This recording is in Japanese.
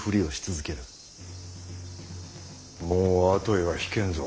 もう後へは引けんぞ。